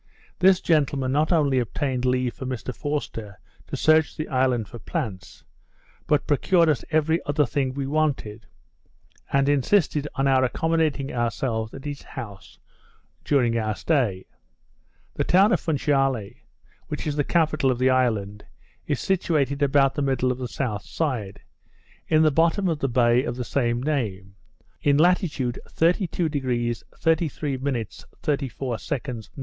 This gentleman not only obtained leave for Mr Forster to search the island for plants, but procured us every other thing we wanted, and insisted on our accommodating ourselves at his house during our stay. The town of Funchiale, which is the capital of the island, is situated about the middle of the south side, in the bottom of the bay of the same name, in latitude 32° 33' 34" N.